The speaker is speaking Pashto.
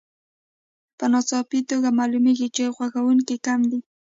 په ناڅاپي توګه معلومېږي چې غوښتونکي کم دي